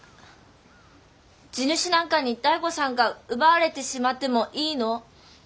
地主なんかに醍醐さんが奪われてしまってもいいの？